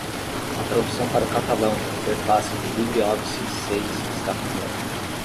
A tradução para o catalão da interface do LibreOffice seis está completa.